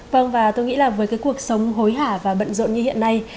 vâng và tôi nghĩ là với cái cuộc sống hối hả và bận rộn như hiện nay